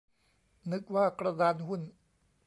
นึกว่ากระดานหุ้น